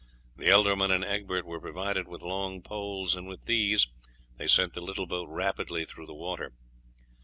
The ealdorman and Egbert were provided with long poles, and with these they sent the little boat rapidly through the water.